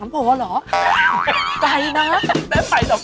ปักน้ำโผล่เหรอ